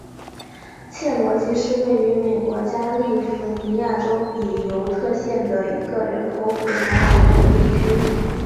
切罗基是位于美国加利福尼亚州比尤特县的一个人口普查指定地区。